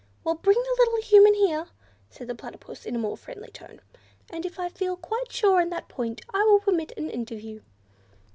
"Well, bring the little Human here," said the Platypus in a more friendly tone, "and if I feel quite sure on that point I will permit an interview."